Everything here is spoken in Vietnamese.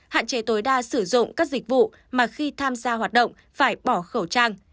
hạn chế tối đa sử dụng các dịch vụ mà khi tham gia hoạt động phải bỏ khẩu trang